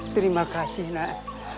terima kasih nek